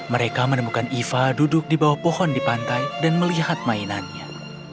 mereka menemukan iva duduk di bawah pohon di pantai dan melihat mainannya